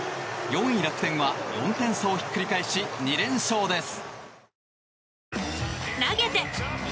４位楽天は４点差をひっくり返し２連勝です。